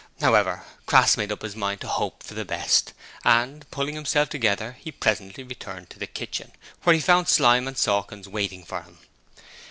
However, Crass made up his mind to hope for the best, and, pulling himself together, he presently returned to the kitchen, where he found Slyme and Sawkins waiting for him.